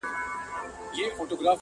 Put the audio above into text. پرېږده چي لمبې پر نزله بلي کړي -